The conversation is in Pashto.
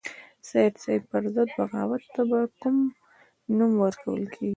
د سید صاحب پر ضد بغاوت ته به کوم نوم ورکول کېږي.